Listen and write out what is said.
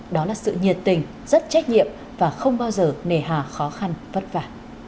đó là sự nhiệt tình rất trách nhiệm và không bao giờ nề hà khó khăn vất vả